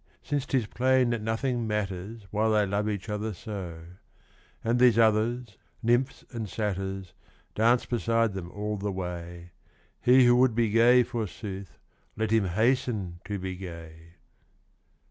Since 'tis plain that nothing matters While they love each other so ; And these others, nymphs and satyrs, Dance beside them all the way : He who would be gay, forsooth, Let him hasten to be gay.